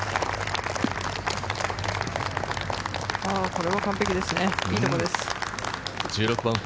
これは完璧ですね。